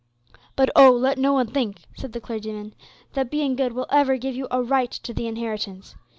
But, oh! let no one think," said the clergyman, "that being good will ever give you a right to the inheritance.